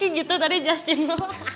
kaya gitu tadi justin lo